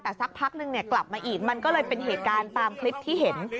แต่สักพักนึงกลับมาอีกมันก็เลยเป็นเหตุการณ์ตามคลิปที่เห็น